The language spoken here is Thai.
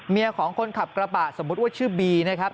ของคนขับกระบะสมมุติว่าชื่อบีนะครับ